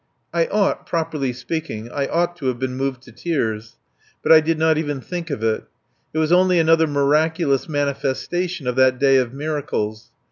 I ought properly speaking I ought to have been moved to tears. But I did not even think of it. It was merely another miraculous manifestation of that day of miracles.